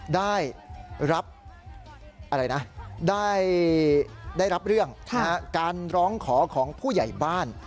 ได้รับเรื่องการร้องขอของผู้ใหญ่บ้าน